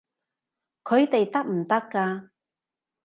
佢哋得唔得㗎？